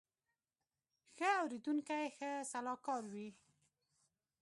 ښه اورېدونکی ښه سلاکار وي